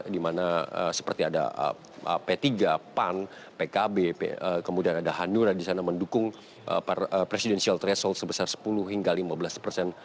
dimana seperti ada p tiga pan pkb kemudian ada hanura disana mendukung presidential threshold sebesar sepuluh hingga lima belas persen